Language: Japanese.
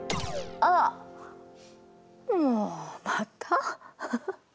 あっもうまた？